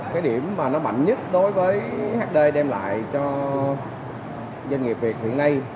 cái điểm mà nó mạnh nhất đối với hd đem lại cho doanh nghiệp việt hiện nay